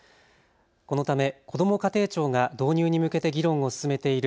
このためこども家庭庁が導入に向けて議論を進めている